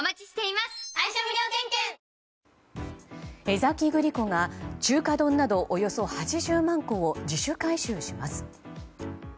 江崎グリコが中華丼など、およそ８０万個を自主回収します。